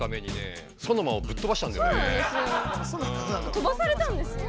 とばされたんですけど。